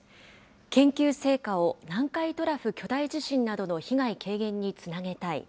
研究成果を南海トラフ巨大地震などの被害軽減につなげたい。